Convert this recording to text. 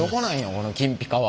この金ピカは。